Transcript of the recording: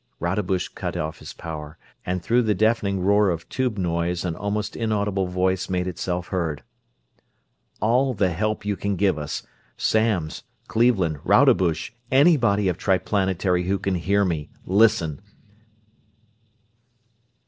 Rodebush cut off his power, and through the deafening roar of tube noise an almost inaudible voice made itself heard. "... all the help you can give us. Samms Cleveland Rodebush anybody of Triplanetary who can hear me, listen!